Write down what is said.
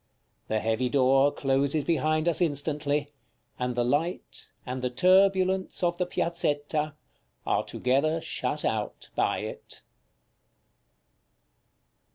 The heavy door closes behind us instantly, and the light, and the turbulence of the Piazzetta, are together shut out by it.